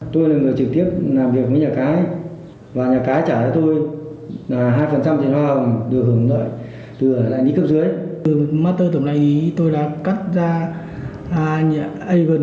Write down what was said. tôi là người trực tiếp làm việc với nhà cái và nhà cái trả cho tôi là hai tiền hoa hồng